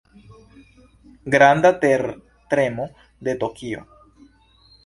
Granda tertremo de Tokio.